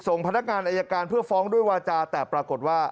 พนักงานอายการเพื่อฟ้องด้วยวาจาแต่ปรากฏว่า